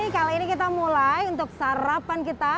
kali ini kita mulai untuk sarapan kita